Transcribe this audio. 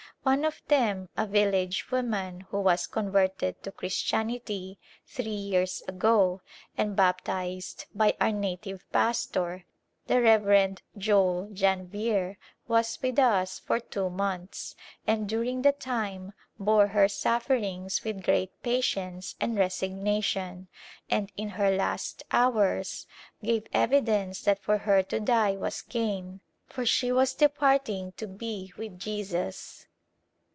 One of them, a village woman who was converted to Christianity three years ago and baptized by our native pastor, the Rev. Joel Janvier, was with us for two months, and during the time bore her sufferings with great patience and resignation, and in her last hours gave evidence that for her to die was gain, for she was departing to be with Jesus.